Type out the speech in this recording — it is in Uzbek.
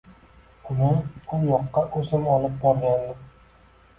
Uni u yoqqa o`zim olib borgandim